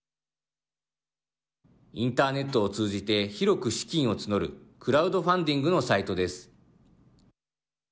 インターネットを通じて広く資金を募るクラウドファンディングのサイトです。